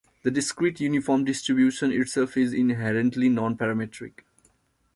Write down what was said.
The discrete uniform distribution itself is inherently non-parametric.